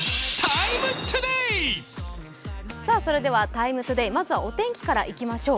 「ＴＩＭＥ，ＴＯＤＡＹ」、まずはお天気からいきましょう。